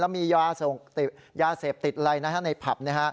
มียาเสพติดอะไรในผับ